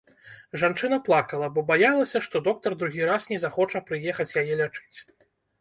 Жанчына плакала, бо баялася, што доктар другі раз не захоча прыехаць яе лячыць.